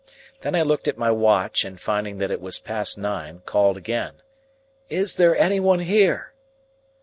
Then I looked at my watch, and, finding that it was past nine, called again, "Is there any one here?"